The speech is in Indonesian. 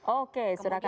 oke surakarta ya